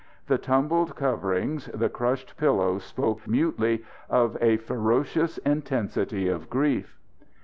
The tumbled coverings, the crushed pillows spoke mutely of a ferocious intensity of grief.